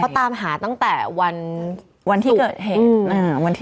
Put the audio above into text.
เขาตามหาตั้งแต่วันย์วันที่เกิดเหตุ